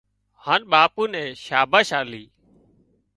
هانَ ٻاپو نين شاباس آلي